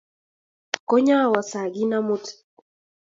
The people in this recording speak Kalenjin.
koyan awoo sangin amut